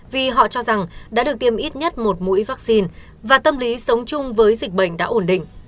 vì họ cho rằng đã được tiêm ít nhất một mũi vaccine và tâm lý sống chung với dịch bệnh đã ổn định